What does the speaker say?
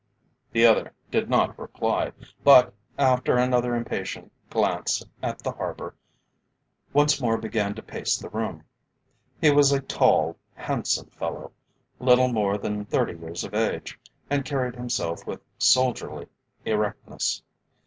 The other did not reply, but, after another impatient glance at the Harbour, once more began to pace the room. He was a tall, handsome fellow, little more than thirty years of age, and carried himself with soldierly erectness.